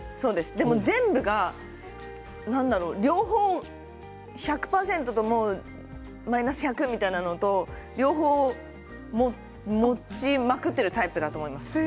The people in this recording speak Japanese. でも、全部が両方１００％マイナス１００というのと両方持ちまくっているタイプだと思います。